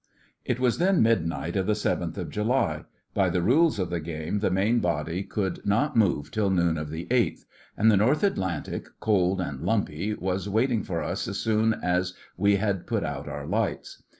It was then midnight of the 7th of July—by the rules of the game the main body could not move till noon of the 8th—and the North Atlantic, cold and lumpy, was waiting for us as soon as we had put out our lights.